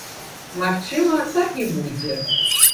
Магчыма, так і будзе.